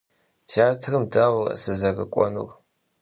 Têatrım dauere sızerık'uenur?